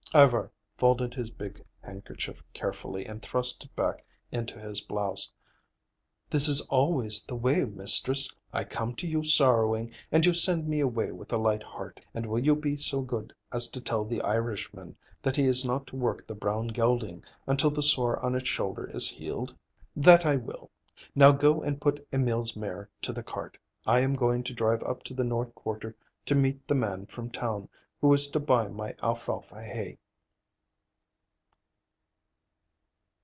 Ivar folded his big handkerchief carefully and thrust it back into his blouse. "This is always the way, mistress. I come to you sorrowing, and you send me away with a light heart. And will you be so good as to tell the Irishman that he is not to work the brown gelding until the sore on its shoulder is healed?" "That I will. Now go and put Emil's mare to the cart. I am going to drive up to the north quarter to meet the man from town who is to buy my alfalfa hay."